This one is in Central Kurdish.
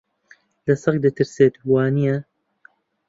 لە سەگ دەترسێت، وانییە؟